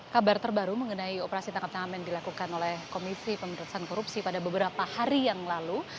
kabar terbaru mengenai operasi tangkap tangan yang dilakukan oleh komisi pemerintahan korupsi pada beberapa hari yang lalu